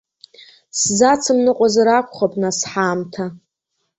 Сзацымныҟәазар акәхап, нас, ҳаамҭа.